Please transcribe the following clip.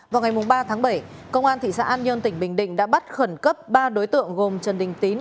vào ngày ba tháng bảy công an thị xã an nhơn tỉnh bình định đã bắt khẩn cấp ba đối tượng gồm trần đình tín